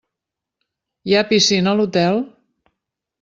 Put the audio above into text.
Hi ha piscina a l'hotel?